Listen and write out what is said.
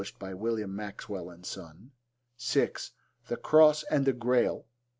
(William Maxwell and Son.) (6) The Cross and the Grail.